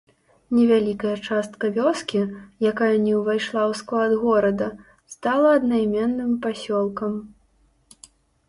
Невялікая частка вёскі, якая не ўвайшла ў склад горада, стала аднайменным пасёлкам.